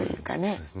そうですね。